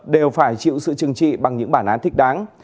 đều phải chịu sự chừng trị bằng những bản án thích đáng